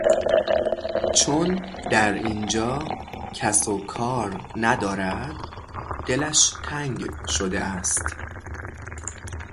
چون در اینجا کس و کار ندارد دلش تنگ شده است.